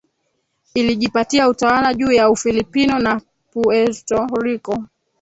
ilijipatia utawala juu ya Ufilipino na Puerto Rico